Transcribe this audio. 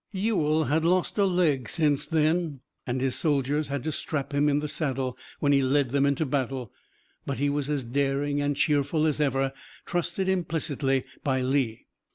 Ewell had lost a leg since then, and his soldiers had to strap him in the saddle when he led them into battle, but he was as daring and cheerful as ever, trusted implicitly by Lee.